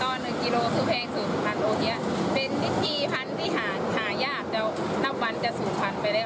ก็๑กิโลซื้อแพงสูง๑๐๐๐๐โอเฮียเป็นที่พันที่หายากแล้วนับวันจะสูงพันไปเร็ว